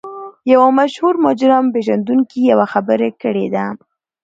یوه مشهور مجرم پېژندونکي یوه خبره کړې ده